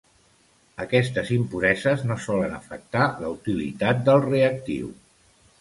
Aquestes impureses no solen afectar la utilitat del reactiu.